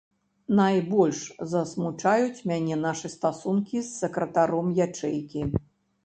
Найбольш засмучаюць мяне нашы стасункі з сакратаром ячэйкі.